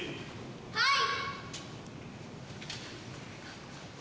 はい！